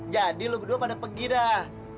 jadi lo berdua pada pergi dah